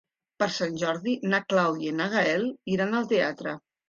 Per Sant Jordi na Clàudia i en Gaël iran al teatre.